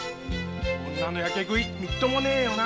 女のやけ食いみっともねぇよな。